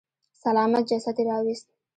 سلامت جسد يې راويست.